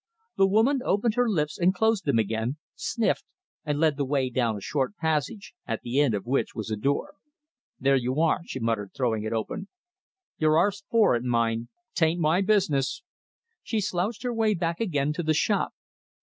The woman opened her lips and closed them again, sniffed, and led the way down a short passage, at the end of which was a door. "There you are," she muttered, throwing it open. "You've arst for it, mind. 'Tain't my business." She slouched her way back again into the shop.